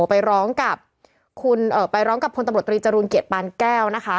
ไปร้องกับคนตำรวจตรีจรูนเกียรติปานแก้วนะคะ